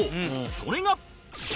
それが